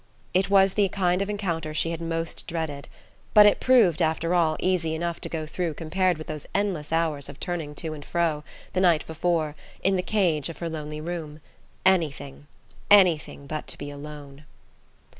It was the kind of encounter she had most dreaded; but it proved, after all, easy enough to go through compared with those endless hours of turning to and fro, the night before, in the cage of her lonely room. Anything, anything, but to be alone....